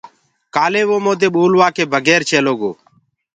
ڪآلي وو موندي ٻولوآ ڪي بگير چيلو گو؟